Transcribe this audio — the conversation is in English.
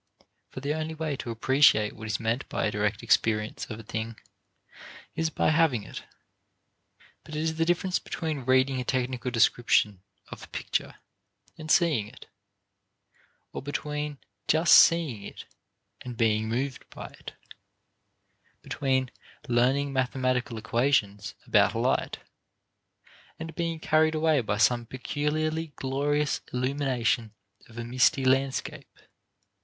for the only way to appreciate what is meant by a direct experience of a thing is by having it. But it is the difference between reading a technical description of a picture, and seeing it; or between just seeing it and being moved by it; between learning mathematical equations about light and being carried away by some peculiarly glorious illumination of a misty landscape.